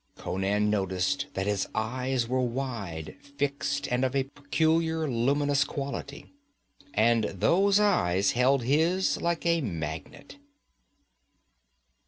Conan noticed that his eyes were wide, fixed, and of a peculiar luminous quality. And those eyes held his like a magnet.